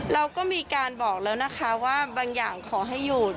เราก็มีการบอกแล้วนะคะว่าบางอย่างขอให้หยุด